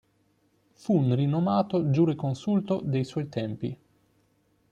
Fu un rinomato giureconsulto dei suoi tempi.